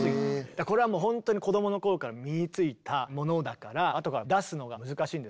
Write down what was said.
だからこれはもうほんとに子どものころから身についたものだからあとから出すのが難しいんですけど。